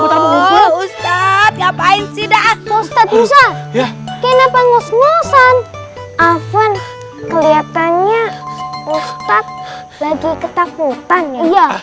ustadz ngapain sih ustadz musa kenapa ngos ngosan afan kelihatannya ustadz lagi ketakutan ya